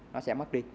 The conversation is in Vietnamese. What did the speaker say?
nó sẽ mất đi